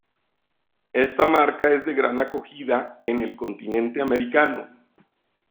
Esta marca es de gran acogida en el continente americano.